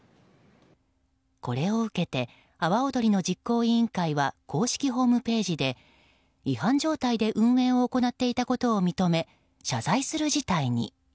これを受けて阿波おどりの実行委員会は公式ホームページで違反状態で運営を行っていたことを認め謝罪する事態に。